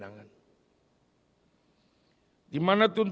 dengan unsur keguguran mereka tersebut